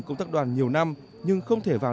công tác đoàn nhiều năm nhưng không thể vào